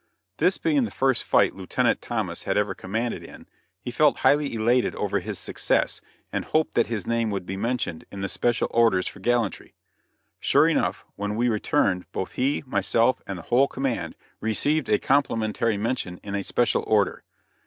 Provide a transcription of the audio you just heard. This being the first fight Lieutenant Thomas had ever commanded in, he felt highly elated over his success, and hoped that his name would be mentioned in the special orders for gallantry; sure enough when we returned both he, myself and the whole command received a complimentary mention in a special order.